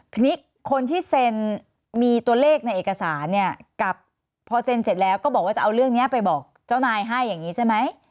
ทีนี้คนที่เซ็นมีตัวเลขในเอกสารเนี่ยกับพอเซ็นเสร็จแล้วก็บอกว่าจะเอาเรื่องนี้ไปบอกเจ้านายให้อย่างนี้ใช่ไหม